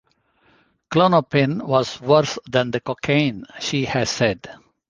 "Klonopin was worse than the cocaine," she has said.